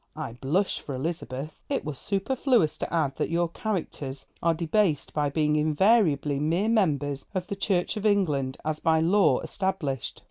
I blush for Elizabeth! It were superfluous to add that your characters are debased by being invariably mere members of the Church of England as by law established.